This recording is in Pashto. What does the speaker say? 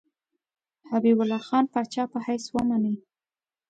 حبیب الله خان پاچا په حیث ومني.